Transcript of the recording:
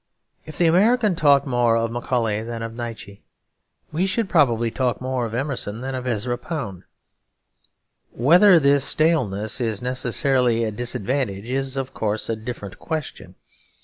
If the American talked more of Macaulay than of Nietzsche, we should probably talk more of Emerson than of Ezra Pound. Whether this staleness is necessarily a disadvantage is, of course, a different question.